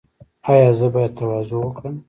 ایا زه باید تواضع وکړم؟